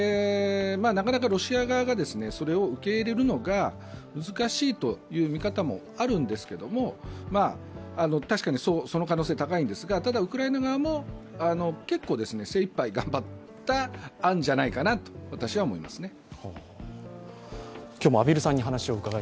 なかなかロシア側がそれを受け入れるのが難しいという見方もあるんですけれど、確かにその可能性高いんですがただウクライナ側も結構、精いっぱい頑張った案じゃないかなと私は思います。